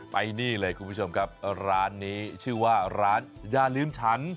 ไปนี่เลยคุณผู้ชมครับร้านนี้ชื่อว่าร้านอย่าลืมฉัน